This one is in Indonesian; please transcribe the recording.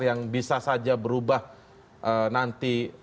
yang bisa saja berubah nanti